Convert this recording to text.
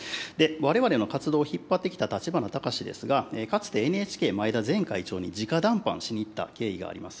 われわれの活動を引っ張ってきた立花孝志ですが、かつてＮＨＫ、前田前会長にじか談判しに行った経緯があります。